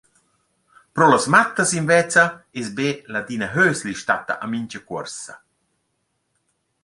Pro las mattas invezza es be Ladina Hösli statta a mincha cuorsa.